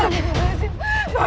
nanda prabu surrawi seja